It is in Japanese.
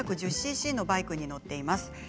３１０ＣＣのバイクに乗っています。